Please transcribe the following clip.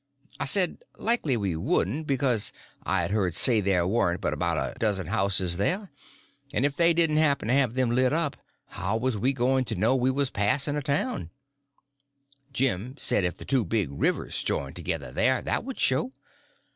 I said likely we wouldn't, because I had heard say there warn't but about a dozen houses there, and if they didn't happen to have them lit up, how was we going to know we was passing a town? Jim said if the two big rivers joined together there, that would show.